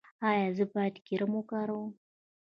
ایا زه باید کریم وکاروم؟